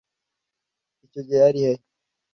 Icyo gihe yari he?